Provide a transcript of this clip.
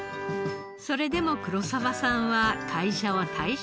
それでも黒澤さんは会社を退職。